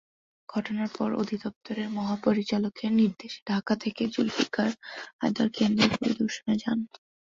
ঘটনার পরপর অধিদপ্তরের মহাপরিচালকের নির্দেশে ঢাকা থেকে জুলফিকার হায়দার কেন্দ্র পরিদর্শনে যান।